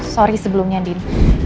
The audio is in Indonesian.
sorry sebelumnya din